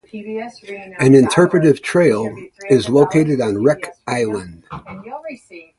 An interpretive trail is located on Wreck Island.